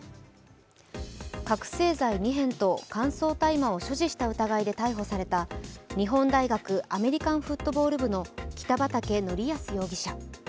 覚醒剤２片と乾燥大麻を所持した疑いで逮捕された日本大学アメリカンフットボール部の北畠成文容疑者。